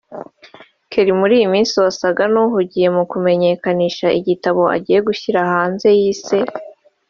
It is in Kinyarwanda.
Kelly muri iyi minsi wasaga n’uhugiye mu kumenyekanisha igitabo agiye gushyira hanze yise